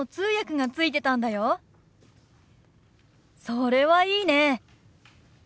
それはいいね。